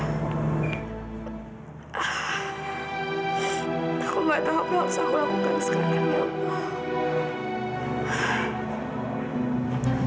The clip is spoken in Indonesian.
aku tak tahu apa yang harus aku lakukan sekarang ya allah